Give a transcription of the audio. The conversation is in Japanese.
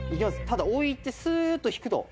ただ置いてスーッと引くと。